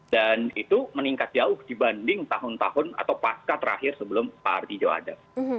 dan itu meningkat jauh dibanding tahun tahun atau pasca terakhir sebelum pak artijo ada